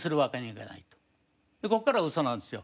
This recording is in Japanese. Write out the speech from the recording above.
ここからウソなんですよ。